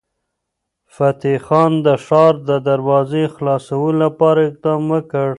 فتح خان د ښار د دروازې خلاصولو لپاره اقدام وکړ.